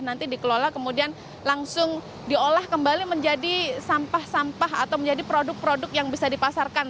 nanti dikelola kemudian langsung diolah kembali menjadi sampah sampah atau menjadi produk produk yang bisa dipasarkan